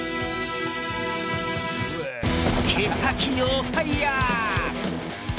毛先をファイヤー！